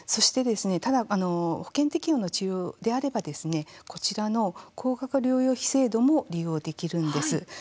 ただ、保険適用の治療であればこちらの高額療養費制度も利用できるんです。